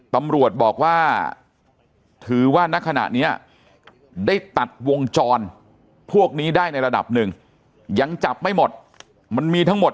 ตำรวจบอกว่าถือว่าณขณะนี้ได้ตัดวงจรพวกนี้ได้ในระดับหนึ่งยังจับไม่หมดมันมีทั้งหมด